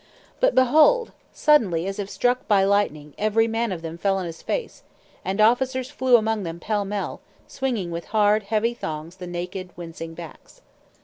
But behold! suddenly, as if struck by lightning, every man of them fell on his face, and officers flew among them pell mell, swingeing with hard, heavy thongs the naked wincing backs.